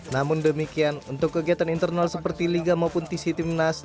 namun demikian untuk kegiatan internal seperti liga maupun tc timnas